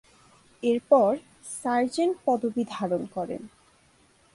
এরপর সার্জেন্ট পদবী ধারণ করেন।